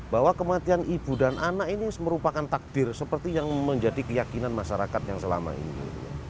bahwa kematian ibu dan anak ini merupakan takdir seperti yang menjadi keyakinan masyarakat yang selama ini